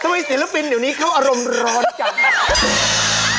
ทำไมศิลปินเดี๋ยวนี้เขาอารมณ์ร้อนกันนะ